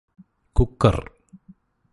cooker